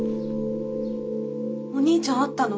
お兄ちゃん会ったの？